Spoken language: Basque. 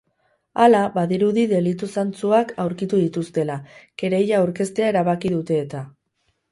Hala, badirudi delitu zantzuak aurkitu dituztela, kereila aurkeztea erabaki dute eta.